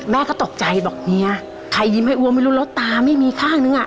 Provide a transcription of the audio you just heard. แม่ก็ตกใจบอกเฮียใครยิ้มให้อ้วไม่รู้แล้วตาไม่มีข้างนึงอ่ะ